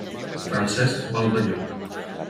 Francesc Baldelló.